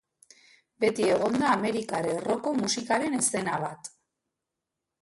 Beti egon da amerikar erroko musikaren eszena bat.